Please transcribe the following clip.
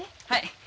はい。